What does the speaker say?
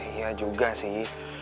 iya juga sih